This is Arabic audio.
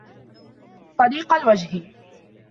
طَلِيقَ الْوَجْهِ